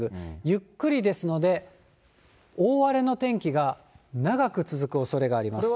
ゆっくりですので、大荒れの天気が長く続くおそれがあります。